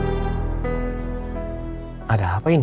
pemikiran ada di rumah kita